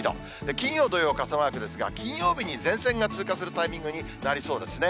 金曜、土曜、傘マークですから、金曜日から前線が通過するタイミングになりそうですね。